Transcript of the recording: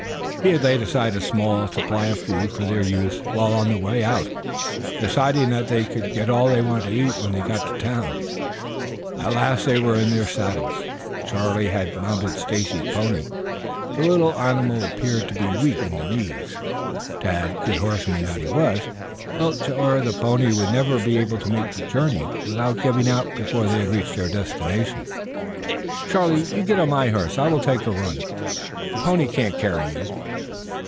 He had laid aside a small supply of food for their use while on the way out, deciding that they could get all they wanted to eat when they got to the town. At last they were in their saddles. Charlie had mounted Stacy's pony. The little animal appeared to be weak in the knees. Tad, good horseman that he was, felt sure the pony never would be able to make the journey without giving out before they had reached their destination. "Charlie, you get on my horse. I will take a run. That pony can't carry you."